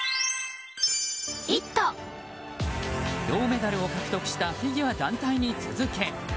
銅メダルを獲得したフィギュア団体に続け！